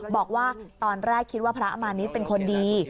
บอกว่าตอนแรกคิดว่าพระอามานิดเป็นคนดี